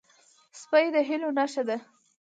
سپي د هیلو نښه ده.